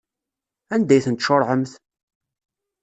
Anda ay tent-tcuṛɛemt?